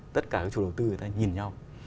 tất cả các chủ đầu tư người ta nhìn nhau